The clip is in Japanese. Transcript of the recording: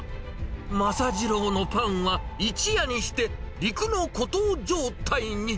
政次郎のパンは一夜にして陸の孤島状態に。